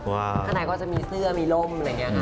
ขนาดก็จะมีเสื้อมีร่ม